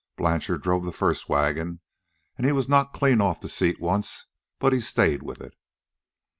Blanchard drove the first wagon, an' he was knocked clean off the seat once, but he stayed with it."